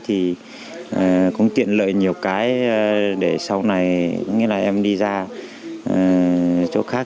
thì cũng tiện lợi nhiều cái để sau này em đi ra chỗ khác